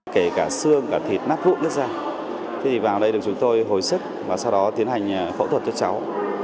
kể cả xương cả thịt nắp hụt ra thì vào đây được chúng tôi hồi sức và sau đó tiến hành phẫu thuật cho cháu